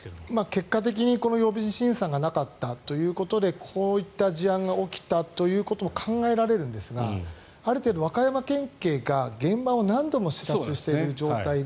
結果的に予備審査がなかったということでこういった事案が起きたということも考えられるんですがある程度、和歌山県警が現場を何度も視察している状態で。